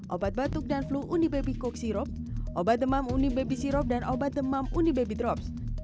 obat batuk dan flu unibaby coke sirup obat demam unibaby sirup dan obat demam unibaby drops